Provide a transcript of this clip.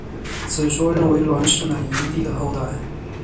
此说认为栾氏乃炎帝的后代。